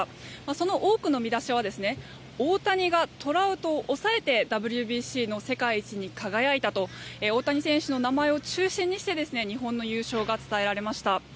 その多くの見出しは大谷がトラウトを抑えてＷＢＣの世界一に輝いたと大谷選手の名前を中心にして日本の優勝が伝えられました。